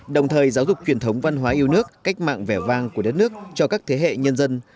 đồng thời giáo dục truyền thống văn hóa yêu nước cách mạng vẻ vang của đất nước cho các thế hệ nhân dân